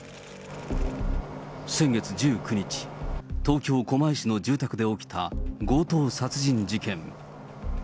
先月１９日、東京・狛江市の住宅で起きた強盗殺人事件。